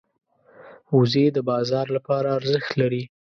وزې د بازار لپاره ارزښت لري